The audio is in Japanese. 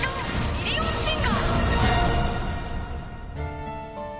ミリオンシンガー